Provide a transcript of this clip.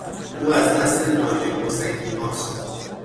او از نسل نایب حسینیهاست.